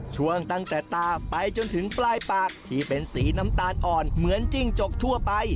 ช่วงตั้งแต่ตาไปจนถึงปลายปากที่เป็นสีน้ำตาลอ่อนเหมือนจิ้งจกทั่วไป